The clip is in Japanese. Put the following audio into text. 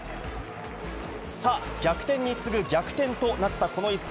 さあ、逆転に次ぐ逆転となったこの一戦。